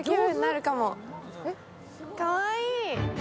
かわいい。